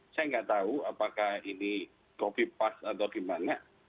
saya nggak tahu apakah ini copy paste atau gimana